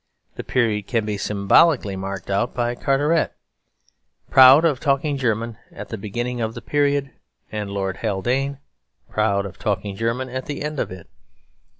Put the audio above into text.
The period can be symbolically marked out by Carteret, proud of talking German at the beginning of the period, and Lord Haldane, proud of talking German at the end of it.